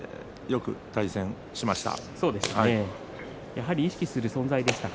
よく対戦しました。